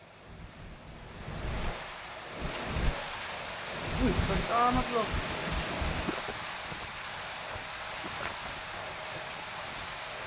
ui panjang banget loh